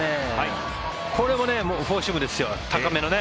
これもフォーシームですよ高めのね。